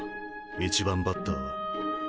１番バッターは。